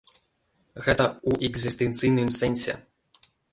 Гэта ў экзістэнцыйным сэнсе.